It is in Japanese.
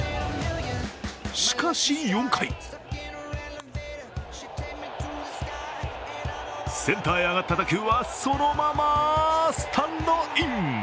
しかし４回センターへ上がった打球はそのままスタンドイン。